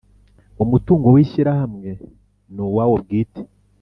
Umutungo w Ishyirahamwe ni uwawo bwite